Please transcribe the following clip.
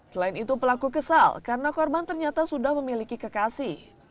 selain itu pelaku kesal karena korban ternyata sudah memiliki kekasih